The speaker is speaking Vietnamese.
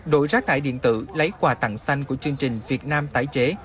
đội rác thải điện tử lấy quà tặng xanh của chương trình việt nam tái chế